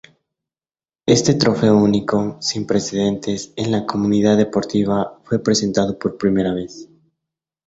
Este trofeo único, sin precedentes en la comunidad deportiva, fue presentado por primera vez.